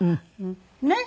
ねっ？